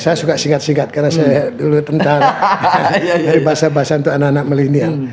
saya suka singkat singkat karena saya dulu tentang dari bahasa bahasa untuk anak anak milenial